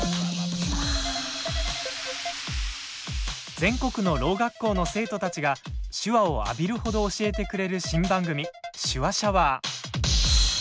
全国のろう学校の生徒たちが手話を浴びるほど教えてくれる新番組「手話シャワー」。